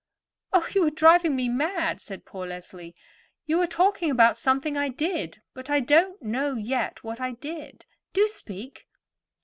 "Oh, you are driving me mad," said poor Leslie. "You are talking about something I did; but I don't know yet what I did. Do speak."